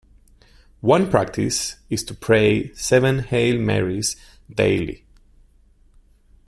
One practice is to pray seven Hail Marys daily.